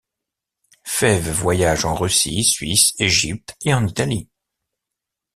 Faive voyage en Russie, Suisse, Égypte, et en Italie.